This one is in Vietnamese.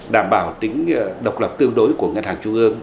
đảm bảo tính độc lập tương đối của ngân hàng trung ương